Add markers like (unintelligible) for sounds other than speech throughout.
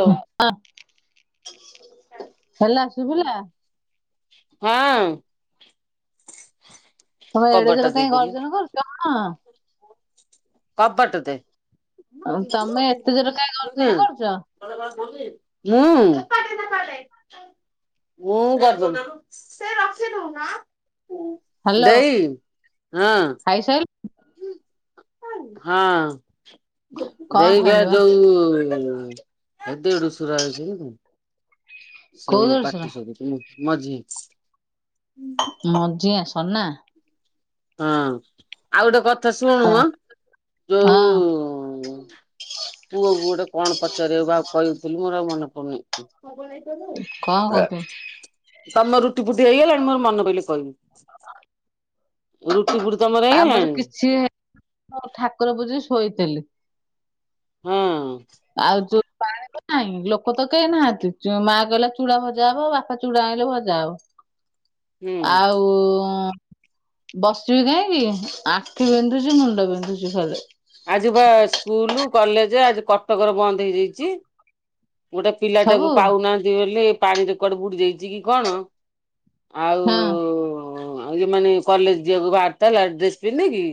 ଅଉ। ହେଲା ଶୁଭିଲା ହଁ। ତମେ ଏଡେ କବାଟ ଜୋର୍ କାଇଁ ଦେଇଦେଲି ଗର୍ଜନ କରୁଛ? ହଁ। କବାଟ ଦେ, ଉଁ। ତମେ ଏତେ ଜୋର କାଇଁ ମୁଁ। ଗର୍ଜନ କରୁଛ ମୁଁ ଗରଦେମି। ଦେଇ ହଁ। ଖାଇସାଇଲ୍ ହଁ। କଣ ଦେଇ ବା ଖାଇଲୁ ଯୋଉ-ଉ ଏ ଦେଢ଼ଶୁର ଆଇସନ୍ତି। କୋଉ ସେଇ ଜଳସୁର ପାଟି ସୁବୁଜି ମୁଁ ମଝି ମଝିଆଁ ସନା। ହଁ, ଆଉ ଗୋଟେ କଥା ଶୁଣୁ ହଁ ମଁ ହଁ ଯୋଉ-ଉ ପୁଅକୁ ଗୋଟେ କଣ ପଚାରିବାକୁ ଆଉ କଇଥିଲୁ, ମୋର ଆଉ ମନେ ପଡୁନି। କଣ କହୁଥିଲୁ ତମର ରୁଟି ଫୁଟି ହେଇଗଲାଣି। ମୋର ମନ ପଇଲେ କହିବି। ରୁଟି ଫୁଟି ତମର ଆମର ହେଇଗଲାଣି? କିଛି ହେ ଠାକୁର ପୂଜି ଶୋଇଥିଲି। ହଁ ଆଉ ଯୋ ପାଣି ତ ନାହିଁ, ଲୋକ ତ କେହି ନାହାଁନ୍ତି? ମା କହିଲା ଚୁଡା ଭଜା ହବ, ବାପା ଚୁଡ଼ା ଆଇଁଲେ ଭଜା ହବ। ହୁଁ। ଆଉ-ଉ-ଉଁ ବସିବି କାହିଁକି? ଆଖି ବିନ୍ଧୁଛି ମୁଣ୍ଡ ବିନ୍ଧୁଛି ଖାଲି। ଆଜି ବା ସ୍କୁଲ୍ କଲେଜ୍ ଆଜି କଟକରେ ବନ୍ଦ ହେଇଯାଇଛି। ଗୋଟେ ପିଲାଟାକୁ ସବୁ ପାଉନାହାଁନ୍ତି ବୋଲି, ପାଣିରେ କୁଆଡେ ବୁଡି ଯାଇଛି କି କଣ? ଆଉ ହଁ ଇଏ ମାନେ କଲେଜ୍ ଯିବାକୁ ବାହାରଥେଲା ଡ୍ରେସ୍ ପିନ୍ଧେ କିି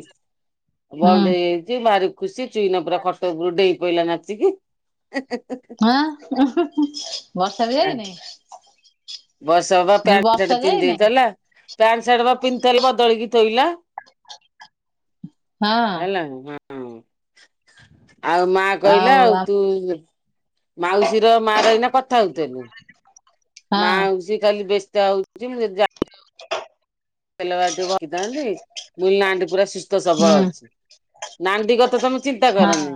ହୁଁ ବନ୍ଦ ହେଇଯାଇଛି, ଭାରି ଖୁସି। ଚୁଇନ ପୁରା ଖଟ ଉପରୁ ଡେଇଁ ପଇଲା ନାଚିକି। (unintelligible) ହାଁ (unintelligible) ବର୍ଷା ବି ଯାଇନି? ବର୍ଷା ବା ମୁଁ କହିଲି ପ୍ୟାଣ୍ଟ୍ ବର୍ଷା ସାର୍ଟ ପିନ୍ଧ ଯାଇନି ଦେଇଥିଲା। ପ୍ୟାଣ୍ଟ ସାର୍ଟ ବା ପିନ୍ଧିଥିଲ ବଦଳିକି ଥୋଇଲା। ହଁ ହେଲା ହଁ, ଆଉ ମା କହିଲା ଆଉ ତୁ ମାଉସୀ ର ମା ର ଏଇନା କଥା ହଉଥିଲୁ। ହଁ ମାଉସୀ ଖାଲି ବ୍ୟସ୍ତ ହଉ ଛିମରେ ଯା (inaudible) ବିଲ ବାରି ଟିକେ ଭଇଥାନ୍ତି, ମୁଁ ଅଇଲି ନାଁ ଟି ପୁରା ସୁସ୍ଥ ସବଳ ହୁଁ ଅଛି। ନାଣ୍ଡି କଥା ତମେ ଚିନ୍ତା ହଁ କରନି।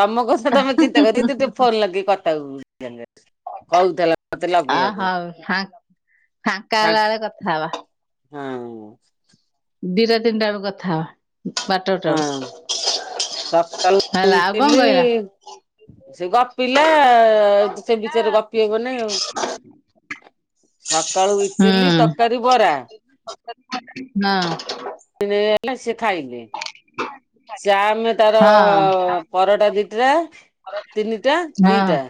ତମ କଥା ତମେ ଚିନ୍ତା କର, ତୁ ଟିକେ ଫୋନ୍ ଲଗେଇ କଥା (unintelligible) କହୁଥିଲା। ମତେ ଅଁ ଲଗେଇବାକୁ। ହଉ, ଫାଙ୍କ୍ ଫାଙ୍କା ହେଲା ବେଳେ କଥା ହବା। ହୁଁ। ଦିଇଟା ତିନିଟା ବେଳକୁ କଥା ହବା। ହଁ ବାରଟା ଗୋଟା ବେଳୁ। ହେଲା ସକାଳୁ ଆଉ କଣ ଇଟିଲି କହିଲା? ସେ ଗପିଲା-ଆ, ସେ ବିଷୟରେ ଗପି ହବନାଇଁ ଆଉ। ସକାଳୁ ଇଟିଲି ତରକାରୀ ବରା ସତରେ ଖାଆନ୍ତିନି ନା। (unintelligible) ସେ ନେଇ ଆଇଲା ସେ ଖାଇଲେ। ଚା ଆମେ ତାର ହଁ ପରଟା ଦିଟା। ତିନିଟା ହଁ ଦିଟା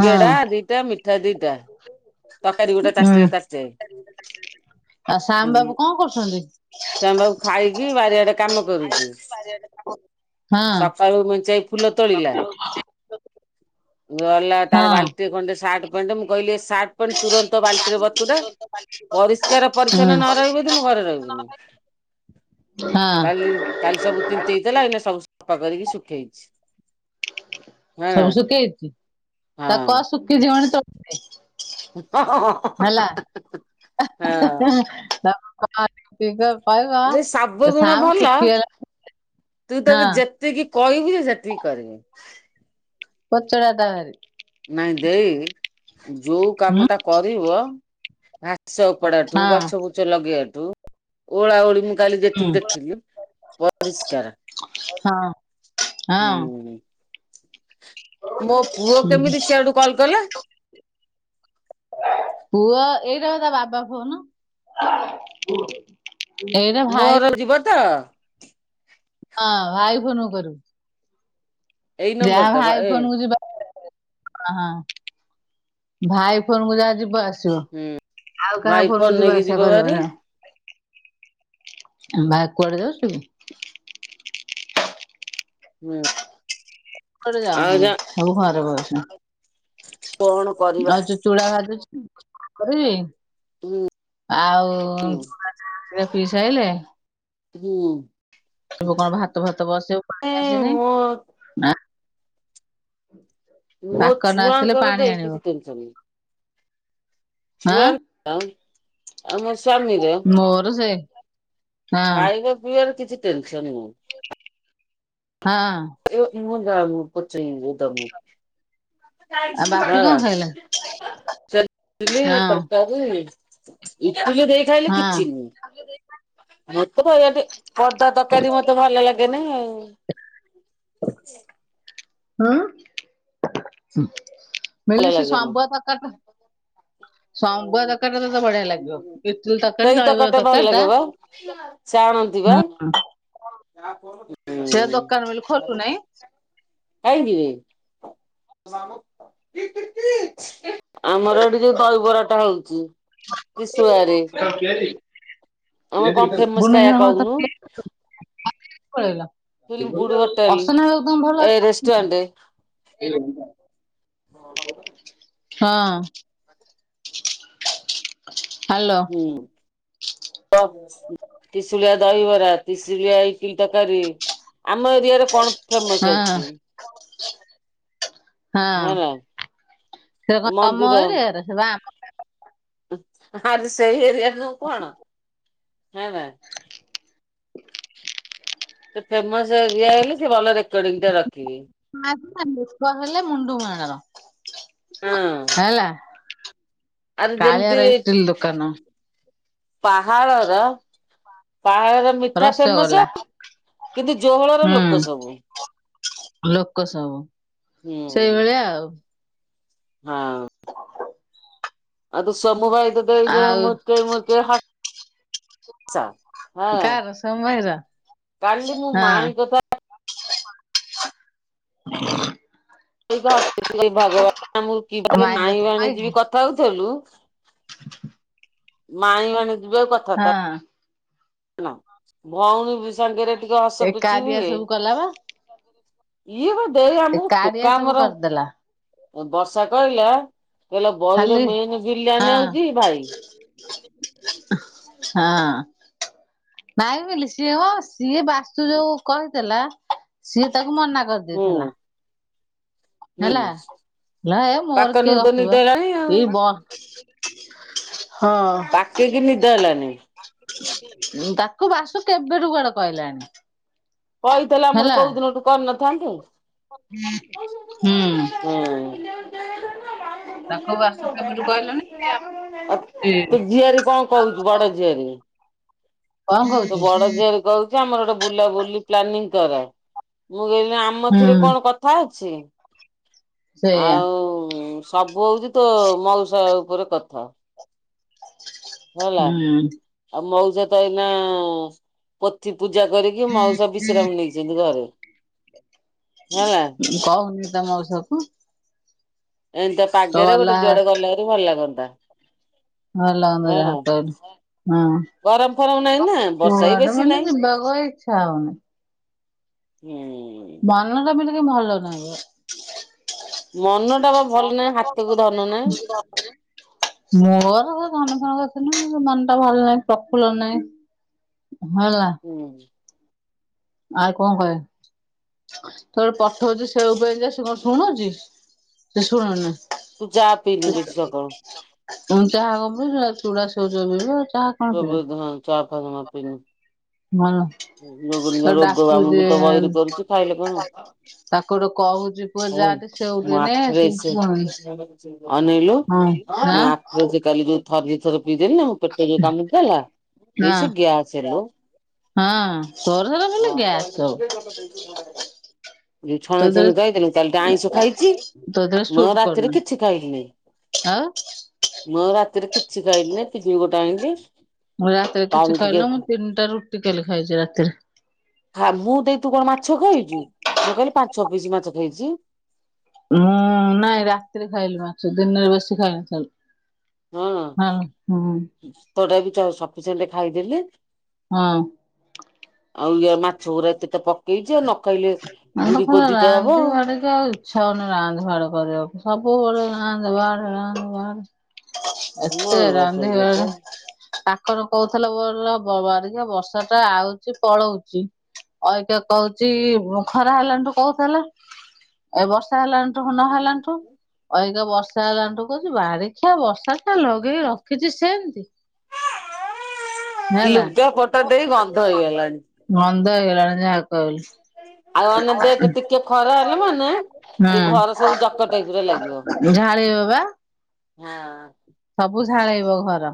ହଁ ଦିଟା ମିଠା ଦିଟା। ତରକାରୀ ଗୋଟେ ହୁଁ ତାଟିଏରେ ତାଟିଏ ଆଉ ଶ୍ୟାମ ବାବୁ ଉଁ। କଣ କରୁଛନ୍ତି ସେମାନେ ବାବୁ ଖାଇକି ବାରିଆଡେ କାମ କରୁଚି ହଁ ସକାଳୁ ମେଞ୍ଚାଇ। ଫୁଲ ତୋଳିଲା। ଗଲା ହଁ ତାର ବାଲଟି ଖଣ୍ଡେ ସାର୍ଟ ପ୍ୟାଣ୍ଟ ମୁଁ କହିଲି ସାର୍ଟ ମୁଁ କହିଲି ତୁରନ୍ତ ବାଲ୍ଟିରେ ବତୁରା ପରିଷ୍କାର ହୁଁ ପରିଚ୍ଛନ୍ନ ନ ରହିବୁ ଯଦି ମୁଁ ଘରେ ରହିବିନି। ହଁ କାଲି। (unintelligible) କାଲି ସବୁ ତିିନ୍ତେଇ ଥିଲା ଏଇନା ସବୁ ସଫା କରିକି ଶୁଖେଇଛି। ହଁ ହଁ ସବୁ ଶୁଖେଇଛି ତା କହ ଶୁଖିଯିବଣି ତୋଳି ଦେ ହଃ ହଃ ହଃ। ହଃ ହଃ ହଃ ବେ (unintelligible) ସବୁ ଗୁଣ ଭଲ ତୁ ତାକୁ ହଁ ଯେତେ। ଯେତିକି କହିବି ସେତିକି କରିବି। ପଚଡ଼ାଟା। ନାଇଁ ଦେଇ ଯୋଉ କାମ ଟା କରିବ ଘାସ ଉପଡ଼ାଠୁ ହଁ ଗଛ ବୁଛ ଲଗେଇବାଠୁ ଓଳା ଓଳି‌ ମୁଁ ମୁଁ କାଲି ହୁଁ ଯେତିକି ଦେଖିଲି ପରିଷ୍କାର ହଁ। ହଁ ହୁଁ ମୋ ପୁଅ କେମିତି ସିଆଡୁ କଲ୍ କଲା? (inaudible) ପୁଅ ଏଇଟା ତା ବାବା ଫୋନ। (unintelligible) ଏଇଟା ଭାଇ ମୋର ଯିବ ତ? ହଁ ଭାଇ ଫୋନକୁ କରିବୁ। ଏଇ ନମ୍ବର ଯାହା ଟା ବା ଭାଇ ଏ ଫୋନ୍ କୁ ଯିବା ହଁ ଭାଇ ଫୋନକୁ ଯାହା ଯିବ ଆସିବ ହୁଁ ଆଉ କାହା ଭାଇ ଫୋନ୍ କୁ ଫୋନ ଯିବା ନେଇକି ଆସିବା ଯିବ କରିବ ଭାରି ନାହିଁ। ବାହାରେ କୁଆଡେ଼ ଯାଉଚ କି? ହୁଁ। କୁଆଡେ ଆଉ ଯା ଯାାଉନାହାନ୍ତି ସବୁ ଘରେ ବଉସନ୍ତି କଣ କରିବା ନହେଲେ ଚୁ ଚୁଡ଼ା ଭାଜୁଛି କରିବି? ହୁଁ। ଆଉ ହୁଁ ବୁଢ଼ା ପିଈସା ଆଇଲେଣି? ହୁଁ। ସବୁ କଣ ଭାତ ଭାତ ବସିବ ପାଣି ମୋ ଆସିନେଇଁ। ମୋ ପାକନ ଆସିଲେ ଛୁଆଙ୍କର ତ ପାଣି ଏ ଆଣିବ କିଛି ହଁ ଛୁଆଳ ଆଉ ମୋ ସ୍ଵାମୀର ମୋର ସେଆ ଖାଇବା ପିଇବାରେ କିଛି ଟେନସନ ନାହିଁ ହଁ ଏ ମୁଁ ଯାହା ପଚାରିଲି ଯୋଉ ଦମି, ଆଉ ବାପି କଣ ଖାଇଲା ମତେ (unintelligible) ଚକୁଳି ହଁ ତରକାରୀ (unintelligible) (unintelligible) ଦେଇରି ଖାଇଲେ କି ଚିନି ଆ ମତେ ତ ଏଇ ଅଦା ତରକାରୀ ମତେ ଭଲ ଲାଗେନା। ହୁଁ। ହୁଁ ଭଲ ବଲେ ସେଇ ଲାଗେନି। ସାମ (unintelligible) ସମ୍ବୁଆ ଦରକାର ତ ତ ବଢିଆ ଲାଗିବ ଏତ ତରକାରୀ ତଳ ତରକାରୀ ଟା ଚାଣନ୍ତି ବା ସେଟା ହୁଁ। ଦୋକାନ ବୋଲି ଖଟୁ ନାହିଁ। ଖାଇଦିବେ। ଆମର ଏଠି ଯୋଉ ଦହିବରାଟା ହଉଛି ତ୍ରିଶୁଳାରେ ଆମର କଣ ଫେମସ୍ ଗୁଣ୍ଡ ଖାଇବା କହୁନୁ (unintelligible) ଫିଲ୍ମ ଫୁଡ୍ ହୋଟେଲ ଅଶ୍ୱନାଦମ ଭଲ ଏ ଅଛି। ରେଷ୍ଟୁରାଣ୍ଟ ହ ହଁ ହାଲୋ। ହୁଁ (unintelligible) କିଲ ତରକାରୀ ଆମ ଏରିଆରେ କଣ ଫେମସ ହଁ ଅଛି। ହଁ ର ସେ କଣ ତମ ମନ୍ଦିର ଏରିଆର ବା ଆରେ ସେଇ ଏରିଆ (unintelligible) ଫେମସ୍ ହେଲେ ସେ ଭଲ ରେକଡିଂ ଟା ରଖିବି। (unintelligible) ହଁ ହେଲା ଆରେ କାଳିଆର ଯେମିତି ଇଟିଲି ଦୋକାନ। ପାହାଳର ପାହାଳର ମିଠା ଫେମସ ରସଗୋଲା କିନ୍ତୁ ଜୋହଳର ହୁଁ ଲୋକ ସବୁ ଲୋକ ସବୁ ହୁଁ ସେଇଭଳିଆ ଆଉ। ହଁ। ଆଉ (unintelligible) କାର (unintelligible) କାଲି ମୁଁ ହଁ ଆ ମାଇଁ କଥା (unintelligible) କି ମାଇଁ କଥା ମାଇବାଣ କହିକି ଯିବି କଥା ହଉଥିଲୁ। ମାଇ ମ (unintelligible) ଯିବେ ହଁ। ଭଉଣୀ ବି ସାଙ୍ଗରେ ଟିକେ ହସ ଏ ପୋଛି କାରିଆ ହୁଏ। ସବୁ କଲା ବା ଇଏ ବା ଦେ ଏ ଆମକୁ କାରିଆ ଟୋକା ସବୁ ଆମର କରିଦେଲା ବର୍ଷା କହିଲା କହିଲ ବହି ର ଖାଲି ମେନ ହଁ ବିରିୟାନ ହଉଛି ଭାଇ ହଁ ନାଇଁ ବୋଲିିଲ ସେ ସିଏ ବାସ୍ତୁ ଯୋଉ କହିଥିଲା ସିଏ ତାକୁ ମନା ହୁଁ କରିଦେଇଥିଲା। ହୁଁ ହେଲା ହେଲା ଏ ମୋର ପାକନକୁ କିଏ ତ ନିଦ କିବ ହେଲାଣି ଆଉ। ଏଇ ବ ହଁ ପାକେଇ କିି ନିଦ ହେଲାନି। ତାକୁ ବାସୁ କେବେଠୁ କୁଆଡେ କହିଲାଣି। କହିଥିଲେ ଆମର ହେଲା କୋଉ ଦିନୋଠୁ କରିନଥା କଁ। ହୁଁ। ତୋ ତାକୁ ବାସୁ କେବେଠୁ କହିଲାଣି କଣ ଝିଆରି କଣ କହୁଚୁ ବଡ ଝିଆରି ତୋ କହୁଛୁ? ବଡ ଝିଆରି କହୁ ଯା ଆମର ଗୋଟେ ବୁଲାବୁଲି ପ୍ଲାନିଂ କର ମୁଁ କହିଲି ଆମ ଥିରେ ହୁଁ କଣ କଥା ଅ ଛି ସେଇଆ ଆଉ ସବୁ ହଉଚି ତୋ ମଉସା ଉପରେ କଥା। କଣ ହେଲା। ହୁଁ ଆଉ ମଉସା ତ ଏଇନା ପୋଥି ପୂଜା କରିକି ମଉସା ବିଶ୍ରାମ ନେ ଇଚନ୍ତି ଘରେ। ହେଲା। ମୁଁ କହୁନି ତ ମଉସାକୁ। ଏମିନ୍ତିଆ ତ ପାଗରେ ଗୋଟେ ଗଲା ଯୁଆଡେ ଗଲା ରୁ ଭଲ ଲାଗନ୍ତା। ଭଲ ଲାଗନ୍ତା ହଁ। ଯାହା କହିଲୁ ହଁ। ଗରମ ଫରମ ନାହିଁ କ ନା ବର୍ଷା ବି କୁଆଡେ ବେଶୀ ବୁଲି ନାହିଁ ଯିବାକୁ ଇଚ୍ଛା ହଉନି। ହୁଁ। ମନ ଟା ବି ଟିକେ ଭଲ ନାହିଁ। ମନ ଟା ବା ଭଲ ନାହିଁ ମନ ହାତକୁ ଧନ ତ ନାହିଁ। (unintelligible) ମୋର ହେ ଧନ ଫନ କଥା ନୁହଁ କିନ୍ତୁ ମନ ଟା ଭଲ ନାହିଁ ପ୍ରଫୁଲ୍ଲ ନାହିଁ। ହେଲା। ହୁଁ। ଆଉ କଣ କଇବେ? ସେତେବେଳୁ ପଠଉଚି ସେଉ ପାଇଁ ଯେ ସେ କଣ ଶୁଣୁଚି ସେ ଶୁଣୁନି। ତୁ ଚା ପିଇନି ବେଶୀ ସକାଳୁ (unintelligible) ଚାହା ହବ ଚୁଡା ସେଉ ଚୋବେଇ ବ ଚାହା କଣ ପିଇବ (unintelligible) ଭଲ। ରୋଗ ତାକୁ ଡାକୁଚି ଆମକୁ ତ ବଇରି କରୁଛୁ ଖାଇଲେ କଣ ତାକୁ ଗୋଟେ କହୁଚି ପୁଅ ହବ। ଯାତି ସେଉ ମୋ କେ ନେଇ ଆଖିରେ ଆସିବୁ ସେ ଶୁଣୁନି। ଅନେଇଲୁ ମୁଁ ଆପ୍ରେଜ୍ କାଲି ଯୋଉ ଥରେ ଦି ଥର ପିଇଦେଲ ନୁ ପେଟ ଯୋଉ କାମୁଡ଼ି ଦେଲା ହଁ ଏସେଇ ଗ୍ୟାସ ଲୋ। ହଁ। ତୋର ହେ ହଁ। ଯୋଉ ତୋ ଛଣା ଦେହରେ ଛୁଣି ଖାଇଦେଲୁ କାଲି ତ ଆଇଁଷ ଖାଇଚି ତୋ ଦେହରେ ମୁଁ ସୁଟ୍ କରୁନି ରାତିରେ କିଛି ଖାଇଲି ନେହିଁ। ଆଉ। ମୁଁ ରାତିରେ କିଛି ଖାଇଲିନି। ପିଜୁଳି ଗୋଟେ ଆଣିଲି ମୁଁ ରାତିରେ କିଛି ପାଣି ଟିକେ ଖାଇଲୁନୁ ମୁଁ ତିନିଟା ରୁଟି କାଲି ଖାଇଚି ରାତିରେ। ଫାଗୁ ଦେଇ ତୁ କଣ ମାଛ ଖାଇଚୁ ମୁଁ କଇଲି ପାଞ୍ଚ ପିସ୍ ମାଛ ଖାଇଚି। ହୁଁ ନାଇଁ ରାତିରେ ଖାଇଲି ମାଛ ଦିନରେ ବେଶୀ ଖାଇନଥିଲି। ହଁ ଭାତ ଟା ବି ତ ସଫିସେଣ୍ଟ୍ ଖାଇଦେଲି। ହଁ। ଆଉ ଇଏ ମାଛ ଗୁରା ଏତେ ତ ପକେଇଚି ଆଉ ନ ଖାଇଲେ ବୁଡ଼ି କୋଦିିତ ହବ ଆଉ। ଇଛା ହଉନି ରାନ୍ଧେ ବାଢ଼େ କରିବାକୁ ସବୁବେଳେ ରାନ୍ଧେ ବାଢ଼େ ରାନ୍ଧେ ବାଢ଼େ ଏତେ ମୋର ବା ସେଇ ରାନ୍ଧେ କଥା। ବାଢେ ପାଖର କହୁଥିଲା ବୋଲା ହ ବାଡ଼ିଖିଆ ବର୍ଷା ଟା ଆଉଚି ପଳଉଚି ଅଇକା କଉଚି ଖରା ହେଲାଣିଠୁ କୋଉ ଥିଲା। ଏ ବର୍ଷା ହେଲାଣିଠୁ ନ ହେଲାଣିଠୁ ଅଇକା ବର୍ଷା ହେଲାଣ ଠୁ କଉଛି ବାଡିଖିଆ ବର୍ଷା ଟା ଲଗେଇକି ରଖିଚି ସେମିତି। ହେଲା ଲୁଗା ପଟା ଦେଇ ଗନ୍ଧ ହେଇଗଲାଣି। ଗନ୍ଧ ହେଇଗଲାଣି ଯାହା କଇଲୁ। ଆଉ ମାନେ ଦେଖ ଟିକେ ଖରା ହେଲେ ମାନେ ଏଇ ଘର ସବୁ ଜକ ଟାଇପ ର ଲାଗିବ। ହୁଁ। ଝାଳେଇବ ବା। ହଁ। ସବୁ ଝାଳେଇବ ଘର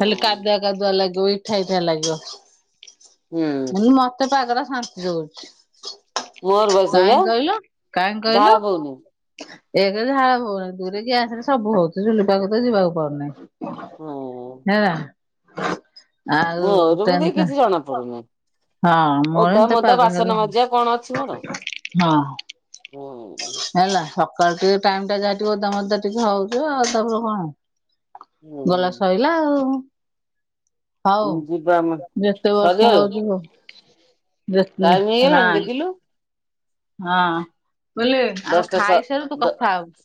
ଖାଲି କା କାଦୁଆ ଲାଗିବ ଇଠା ଇଠା ଲାଗିବ। ହୁଁ ମୁଲି ମତେ ଏ ପାଗଟା ଶାନ୍ତି ଦଉଚି ମୋର ବା ସେଇଆ କାଇଁ କହିଲୁ କାଇଁ ଝାଳ କହିଲୁ? ବୋହୁନି। ଏକ୍ ରେ ଝାଳ ବୋହୁନି ଦୁଇରେ ଗ୍ୟାସ ରେ ସବୁ ହଉଚି ଚୁଲି ପାଖକୁ ତ ଯିବାକୁ ପଡୁନି। ହଁ ହେଲା। ଆଉ ମୋର ବି ଦେଇ ଟେନସ କିଛି ଜଣା ପଡୁନି। ହଁ ମୋର ଓଦା ଏମିତି ମୋଦା ପାାଗ ବାସନ ହେଲା ମଜିଆ କଣ ଅଛି ମୋର। ହଁ ହୁଁ ହେଲା ସକାଳ ଟିକେ ଟାଇମ ଟା ଯାଇଥିବ ଓଦା ମଦା ଟିକେ ହଉଥିବ ଆଉ ତା ପରେ କଣ ଗଲା ସଇଲା ଆଉ। ହୁଁ ହଉ ଯିବା ଆମେ ଯେତେ ବର୍ଷ ସରିଗଲା ହଉଚି ହଉ। ଟାଇମ ହେଇଗଲାଣି ଦେଖିଲୁ? ହଁ ମୁଁ କହିଲି ଆଉ ଦଶଟା ସ ଖାଇସାରୁୁ ତୁ ଦ କଥା ହବୁ।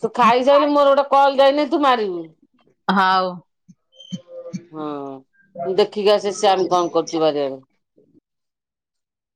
ତୁ ଖାଇ ସାଇଲେ ମୋର ଗୋଟେ କଲ ଯାଇନି ତୁ ମାରିବୁ। ହଉ। ହୁଁ ମୁଁ ଦେଖିକି ଆସେ ଶ୍ୟାମ କଣ କରୁଚି ବାରିିଆଡେ।